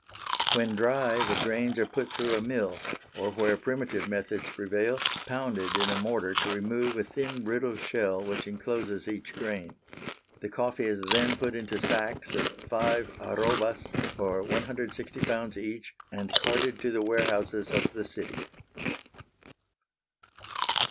When dry the grains are put through a mill, or where primitive methods prevail, pounded in a mortar to remove a thin brittle shell which encloses each grain. The coffee is then put into sacks of five arrobas, or 160 pounds each and carted to the warehouses of the city.